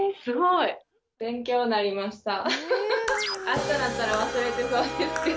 あしたなったら忘れてそうですけど。